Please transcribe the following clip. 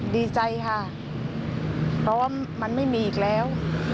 ดีใจค่ะเพราะว่ามันไม่มีอีกแล้ว